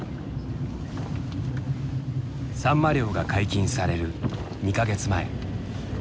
サンマ漁が解禁される２か月前。